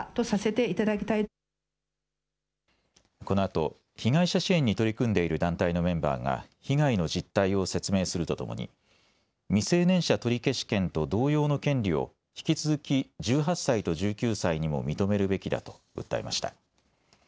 このあと、被害者支援に取り組んでいる団体のメンバーが被害の実態を説明するとともに未成年者取消権と同様の権利を引き続き１８歳と１９歳にも認めるべきだと訴えました。